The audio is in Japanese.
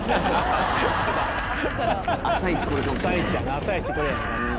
朝イチこれかも。